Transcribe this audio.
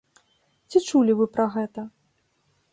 Ці чулі вы пра гэта?